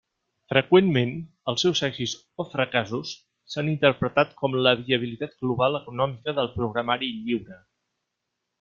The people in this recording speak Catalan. Freqüentment, els seus èxits o fracassos s'han interpretat com la viabilitat global econòmica del programari lliure.